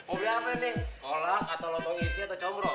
mau beli apa nih kolak atau lobong isi atau comrok